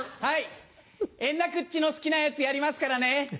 円楽っちの好きなやつやりますからね。